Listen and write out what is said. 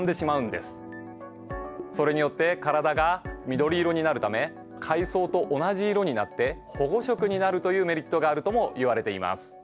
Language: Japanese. それによって体が緑色になるため海藻と同じ色になって保護色になるというメリットがあるともいわれています。